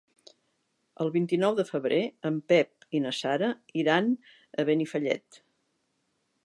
El vint-i-nou de febrer en Pep i na Sara iran a Benifallet.